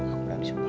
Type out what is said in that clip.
aku berani sumpah